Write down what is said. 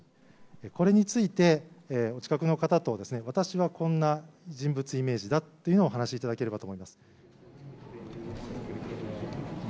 これについて、お近くの方と私はこんな人物イメージだというのをお話しいただければと思います。